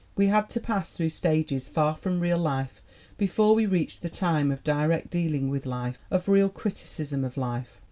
We had to pass through stages far from real life before we reached the time of direct dealing with life, of real criticism of life.